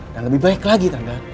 dan lebih baik lagi tante